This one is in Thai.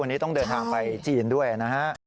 วันนี้ต้องเดินทางไปจีนด้วยนะฮะ